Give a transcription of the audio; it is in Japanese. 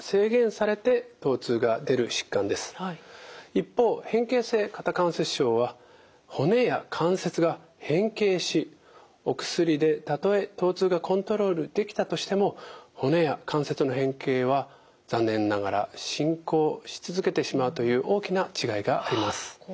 一方変形性肩関節症は骨や関節が変形しお薬でたとえとう痛がコントロールできたとしても骨や関節の変形は残念ながら進行し続けてしまうという大きな違いがあります。